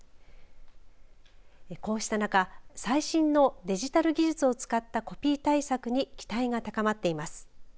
こうした中、最新のデジタル技術を使ったコピー対策に期待が高まっています。